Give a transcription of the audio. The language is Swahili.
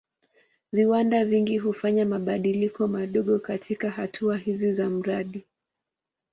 Viwanda vingi hufanya mabadiliko madogo katika hatua hizi za mradi.